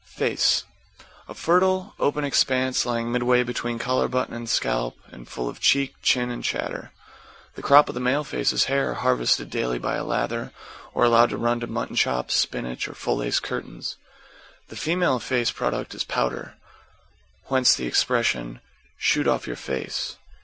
=FACE= A fertile, open expanse, lying midway between collar button and scalp, and full of cheek, chin and chatter. The crop of the male face is hair, harvested daily by a lather, or allowed to run to mutton chops, spinach or full lace curtains. The female face product is powder, whence the expression, "Shoot off your face."